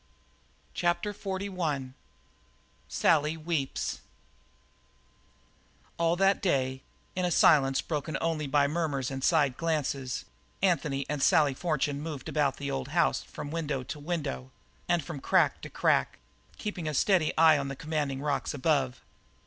CHAPTER XLI SALLY WEEPS All that day, in a silence broken only by murmurs and side glances, Anthony and Sally Fortune moved about the old house from window to window, and from crack to crack, keeping a steady eye on the commanding rocks above.